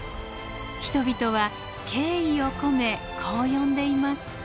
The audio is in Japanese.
人々は敬意を込めこう呼んでいます。